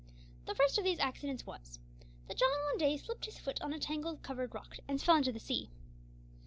The first of these incidents was, that John one day slipped his foot on a tangle covered rock, and fell into the sea.